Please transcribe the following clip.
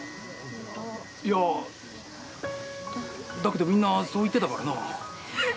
いやだけどみんなそう言ってたからな。